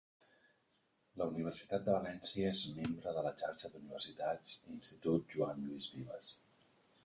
La Universitat de València és membre de la Xarxa d'Universitats Institut Joan Lluís Vives.